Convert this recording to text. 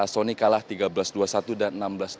sony kalah tiga belas dua puluh satu dan enam belas dua puluh